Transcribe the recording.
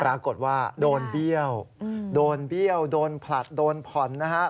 ปรากฏว่าโดนเบี้ยวโดนเบี้ยวโดนผลัดโดนผ่อนนะฮะ